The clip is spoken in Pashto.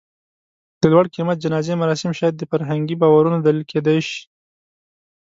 د لوړ قېمت جنازې مراسم شاید د فرهنګي باورونو دلیل کېدی شي.